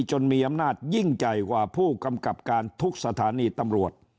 จนมีอำนาจยิ่งใหญ่กว่าผู้กำกับการทุกสถานีตำรวจ